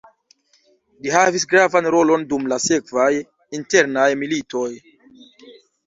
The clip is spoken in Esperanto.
Ĝi havis gravan rolon dum la sekvaj internaj militoj.